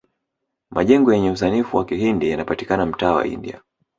majengo yenye usanifu wa kihindi yanapatikana mtaa wa india